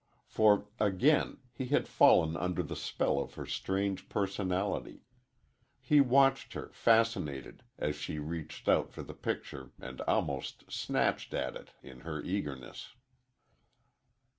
For, again he had fallen under the spell of her strange personality. He watched her, fascinated, as she reached out for the picture and almost snatched at it in her eagerness.